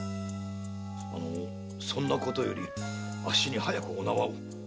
あのそんなことよりあっしに早くお縄を。